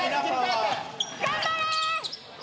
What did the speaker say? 頑張れー！